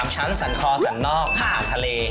๓ชั้นสันคอสันนอกข้างทะเล